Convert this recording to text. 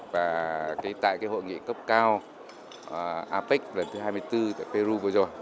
và tại cái hội nghị cấp cao apec lần thứ hai mươi bốn tại peru vừa rồi